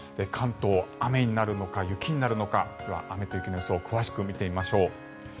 関東、雨になるのか雪になるのか雨と雪の予想を詳しく見てみましょう。